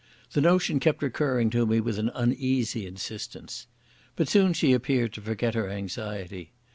The notion kept recurring to me with an uneasy insistence. But soon she appeared to forget her anxiety.